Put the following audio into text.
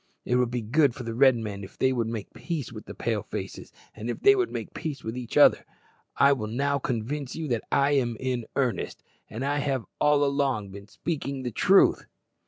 It would be good for the Red men if they would make peace with the Pale faces, and if they would make peace with each other. I will now convince you that I am in earnest, and have all along been speaking the truth."